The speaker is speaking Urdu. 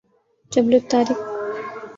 جبل الطارق